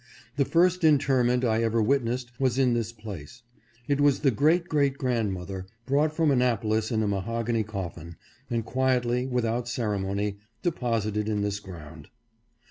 The first interment I ever witnessed was in this place. It was the great great grandmother, brought from Annapolis in a mahogany cof fin, and quietly, without ceremony, deposited in this ground.